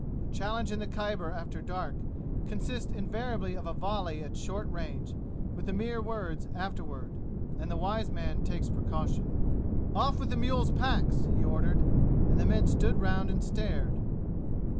A challenge in the Khyber after dark consists invariably of a volley at short range, with the mere words afterward, and the wise man takes precaution. "Off with the mules' packs!" he ordered, and the men stood round and stared.